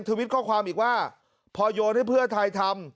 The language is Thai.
อ๋อสุดแค่นี้นะครับ